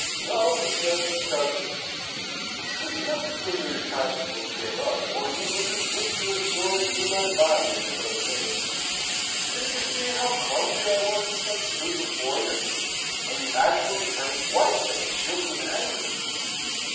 "Though," says he, "cousin, 'twas lucky for me the constables came up, or you would have whipped your sword through my body in another minute. Didn't you see how clumsy I was as I stood before you? And you actually turned white and shook with anger!"